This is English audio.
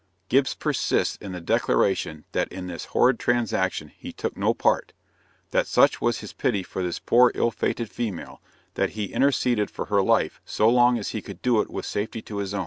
Gibbs persists in the declaration that in this horrid transaction he took no part, that such was his pity for this poor ill fated female, that he interceded for her life so long as he could do it with safety to his own!